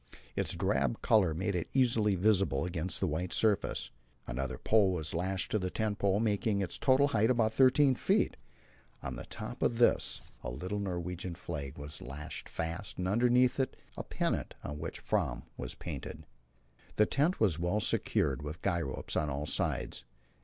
Its drab colour made it easily visible against the white surface. Another pole was lashed to the tent pole, making its total height about 13 feet. On the top of this a little Norwegian flag was lashed fast, and underneath it a pennant, on which "Fram" was painted. The tent was well secured with guy ropes on all sides.